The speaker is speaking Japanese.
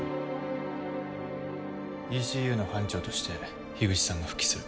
ＥＣＵの班長として口さんが復帰する。